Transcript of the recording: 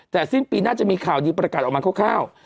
แต่สิ้นปีหน้าจะมีข่าวดีประกาศออกมาคร่าว